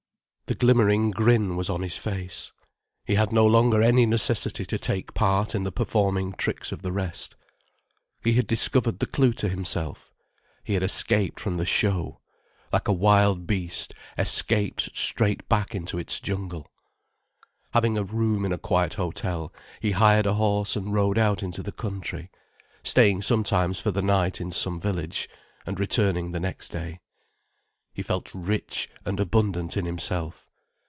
The glimmering grin was on his face. He had no longer any necessity to take part in the performing tricks of the rest. He had discovered the clue to himself, he had escaped from the show, like a wild beast escaped straight back into its jungle. Having a room in a quiet hotel, he hired a horse and rode out into the country, staying sometimes for the night in some village, and returning the next day. He felt rich and abundant in himself.